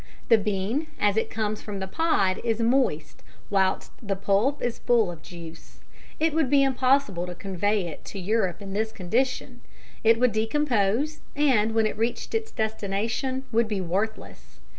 The bean as it comes from the pod is moist, whilst the pulp is full of juice. It would be impossible to convey it to Europe in this condition; it would decompose, and, when it reached its destination, would be worthless.